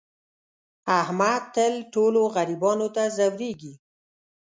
احمد تل ټولو غریبانو ته ځورېږي.